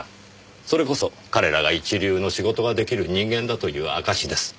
それこそ彼らが一流の仕事が出来る人間だという証しです。